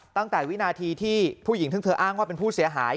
ตั้งแต่วินาทีที่ผู้หญิงซึ่งเธออ้างว่าเป็นผู้เสียหาย